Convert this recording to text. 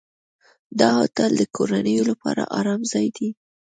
دا هوټل د کورنیو لپاره آرام ځای دی.